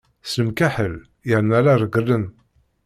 S lemkaḥel, yerna la regglen.